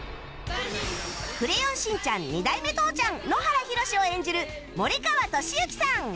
『クレヨンしんちゃん』２代目父ちゃん野原ひろしを演じる森川智之さん